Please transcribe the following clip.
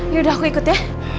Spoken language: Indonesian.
yaudah aku ikut ya